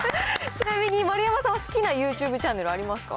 ちなみに丸山さんは、好きなユーチューブチャンネルありますか？